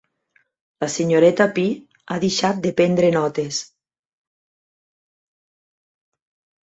La senyoreta Pi ha deixat de prendre notes.